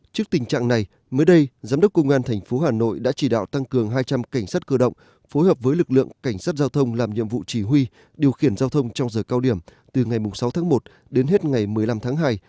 trước tình trạng này mới đây giám đốc công an tp hà nội đã chỉ đạo tăng cường hai trăm linh cảnh sát cơ động phối hợp với lực lượng cảnh sát giao thông làm nhiệm vụ chỉ huy điều khiển giao thông trong giờ cao điểm từ ngày sáu tháng một đến hết ngày một mươi năm tháng hai